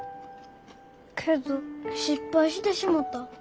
けど失敗してしもた。